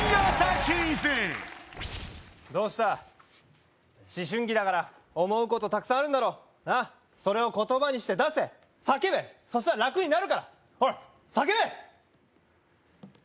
どうした思春期だから思うことたくさんあるんだろうなあそれを言葉にして出せ叫べそしたら楽になるからほら叫べ